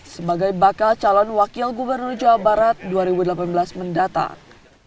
sebagai bakal calon wakil gubernur jawa barat dua ribu delapan belas mendatang